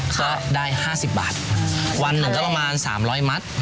ก็ได้ห้าสิบบาทวันหนึ่งก็ประมาณสามร้อยมัตต์